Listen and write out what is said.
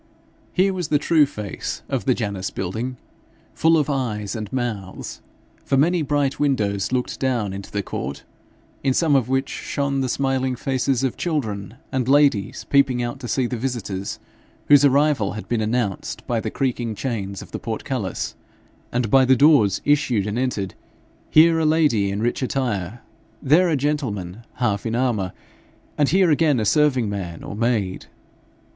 Here was the true face of the Janus building, full of eyes and mouths; for many bright windows looked down into the court, in some of which shone the smiling faces of children and ladies peeping out to see the visitors, whose arrival had been announced by the creaking chains of the portcullis; and by the doors issued and entered, here a lady in rich attire, there a gentlemen half in armour, and here again a serving man or maid.